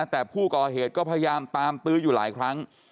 แต่ผู้ก่อเหตุก็พยายามตามตื้ออยู่หลายครั้ง